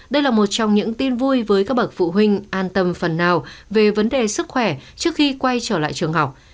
đây là một trong những tin vui với các bậc phụ huynh an tâm phần nào về vấn đề sức khỏe trước khi quay trở lại trường học